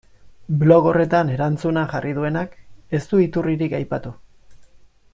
Blog horretan erantzuna jarri duenak ez du iturririk aipatu.